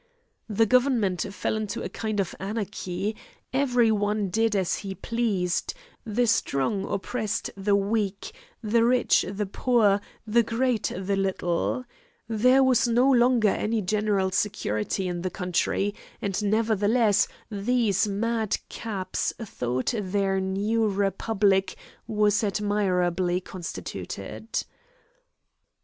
The government fell into a kind of anarchy; every one did as he pleased; the strong oppressed the weak, the rich the poor, the great the little. There was no longer any general security in the country, and nevertheless these mad caps thought their new republic was admirably constituted.